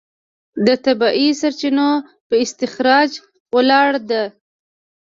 د طبیعي سرچینو پر استخراج ولاړه ده.